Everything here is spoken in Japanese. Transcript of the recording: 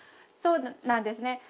そうなんですね。